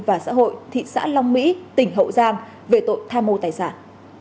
và xã hội thị xã long mỹ tỉnh hậu giang về tội tham mô tài sản